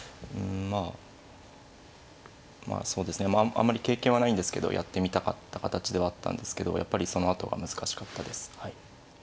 あんまり経験はないんですけどやってみたかった形ではあったんですけどやっぱりそのあとが難しかったですはい。